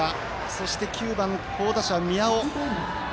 そして９番、好打者、宮尾。